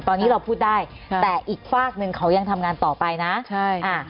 แต่ตอนนี้เราพูดได้แต่อีกฝากนึงเขายังทำงานต่อไปเนอะ